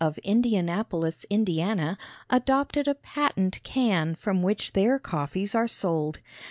of Indianapolis, Ind., adopted a patent can from which their coffees are sold.